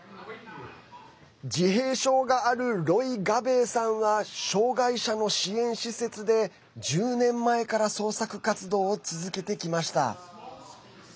自閉症があるロイ・ガベイさんは障害者の支援施設で１０年前から創作活動を続けてきました。